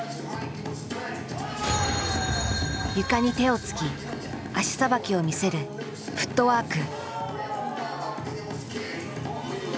床に手をつき足さばきを見せるフットワーク。